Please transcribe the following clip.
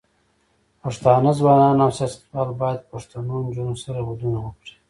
پښتانه ځوانان او سياستوال بايد پښتنو نجونو سره ودونه وکړي.